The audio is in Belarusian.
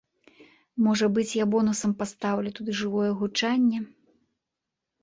Можа быць я бонусам пастаўлю туды жывое гучанне.